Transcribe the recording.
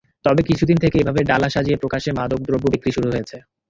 তবে কিছুদিন থেকে এভাবে ডালা সাজিয়ে প্রকাশ্যে মাদক দ্রব্য বিক্রি শুরু হয়েছে।